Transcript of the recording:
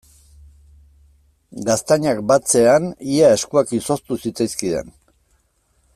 Gaztainak batzean ia eskuak izoztu zitzaizkidan.